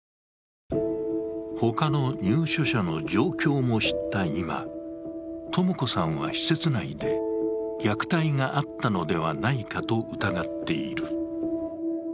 他の入所者の状況も知った今、智子さんは施設内で虐待があったのではないかと疑っている。